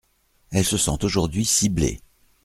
Elle se sent aujourd’hui ciblée.